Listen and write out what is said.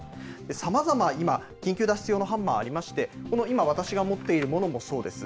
さまざま、今、緊急脱出用のハンマーありまして、この今、私が持っているものもそうです。